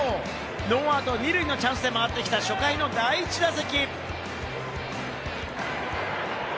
ノーアウト２塁のチャンスで回ってきた初回の第１打席。